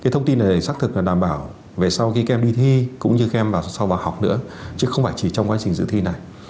thông tin này xác thực là đảm bảo về sau khi các em đi thi cũng như các em vào sau bài học nữa chứ không phải chỉ trong quá trình dự thi này